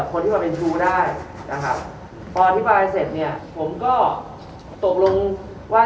คนที่มาเป็นครูได้นะครับพออธิบายเสร็จเนี่ยผมก็ตกลงว่า